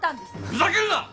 ふざけるな！